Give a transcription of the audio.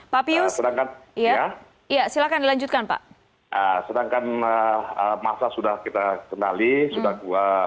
papius sedangkan iya iya silakan dilanjutkan pak sedangkan masa sudah kita kenali sudah dua